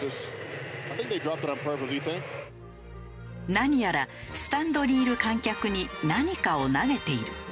何やらスタンドにいる観客に何かを投げている。